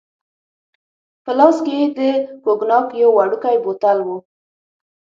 په لاس کې يې د کوګناک یو وړوکی بوتل وو.